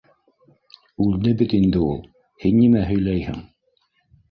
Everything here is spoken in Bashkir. Үлде бит инде ул! һин нимә һөйләйһең?!